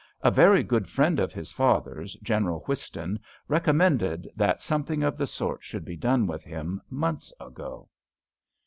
A very good friend of his father's, General Whiston, recommended that something of the sort should be done with him months ago."